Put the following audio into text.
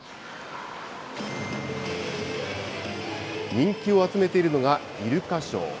人気を集めているのがイルカショー。